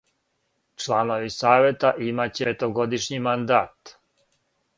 Чланови савета имаће петогодишњи мандат.